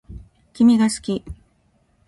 君が好き